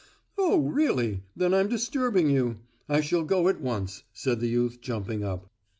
"Oh, really! then I'm disturbing you. I shall go at once," said the youth, jumping up.